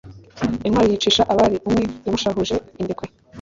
intwali yicisha abali, uwe yamushahuje indekwe.